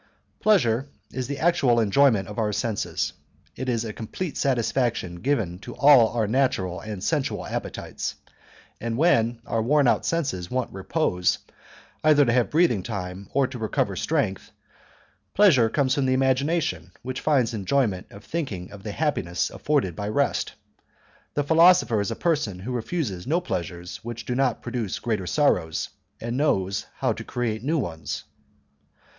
"Pleasure is the actual enjoyment of our senses; it is a complete satisfaction given to all our natural and sensual appetites; and, when our worn out senses want repose, either to have breathing time, or to recover strength, pleasure comes from the imagination, which finds enjoyment in thinking of the happiness afforded by rest. The philosopher is a person who refuses no pleasures which do not produce greater sorrows, and who knows how to create new ones."